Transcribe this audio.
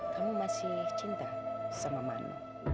kamu masih cinta sama manu